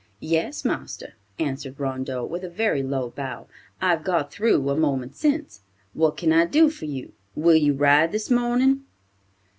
"Yes, marster," answered Rondeau, with a very low bow. "I've got through a moment since. What can I do for you. Will you ride this morning?"